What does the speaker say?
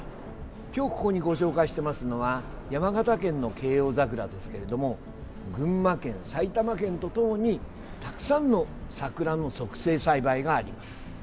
今日、ここにご紹介してますのは山形県の啓翁桜ですけれども群馬県、埼玉県と共にたくさんの桜の促成栽培があります。